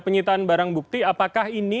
penyitaan barang bukti apakah ini